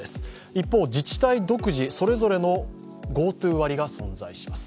一方、自治体独自、それぞれのＧｏＴｏ割が存在します。